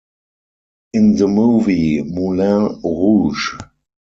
In the movie Moulin Rouge!